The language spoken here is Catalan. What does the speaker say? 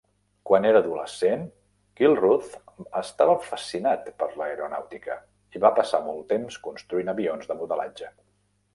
Quan era adolescent, Gilruth estava fascinat per l'aeronàutica i va passar molt temps construint avions de modelatge.